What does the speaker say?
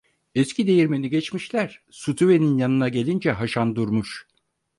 Eski değirmeni geçmişler, Sutüven'in yanına gelince Haşan durmuş.